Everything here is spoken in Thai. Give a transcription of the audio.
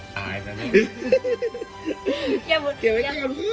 ตายก็ได้